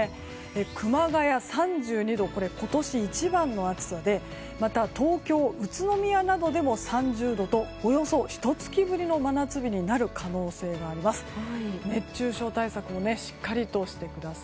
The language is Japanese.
熊谷、３２度今年一番の暑さでまた、東京、宇都宮などでも３０度と、およそひと月ぶりの真夏日になる可能性があります。